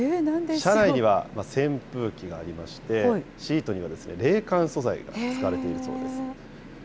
車内には扇風機がありまして、シートには冷感素材が使われているそうです。